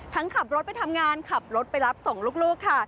ขับรถไปทำงานขับรถไปรับส่งลูกค่ะ